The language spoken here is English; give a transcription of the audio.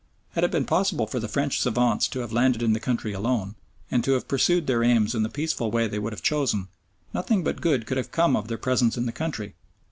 Had it been possible for the French savants to have landed in the country alone, and to have pursued their aims in the peaceful way they would have chosen, nothing but good could have come of their presence in the country.